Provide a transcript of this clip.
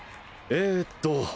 えっと